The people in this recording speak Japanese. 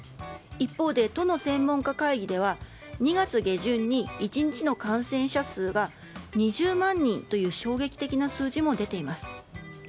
一方で、都の専門家会議では２月下旬に１日の感染者数が２０万人という衝撃的な数字も出ています。